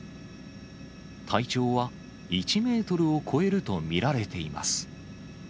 体長は１メートルを超えると見られています。